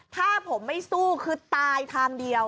ถ้าผมไม่สู้คือตายทางเดียว